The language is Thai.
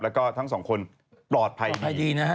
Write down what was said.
แล้วก็ทั้งสองคนปลอดภัยดี